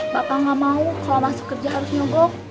bapak gak mau kalau masuk kerja harus nyobok